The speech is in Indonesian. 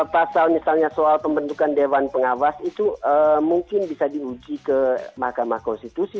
pasal misalnya soal pembentukan dewan pengawas itu mungkin bisa diuji ke mahkamah konstitusi